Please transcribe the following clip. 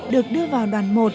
được đưa vào đoàn một